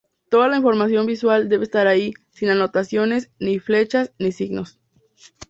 Toda la información visual debe estar ahí, sin anotaciones, ni flechas, ni signos.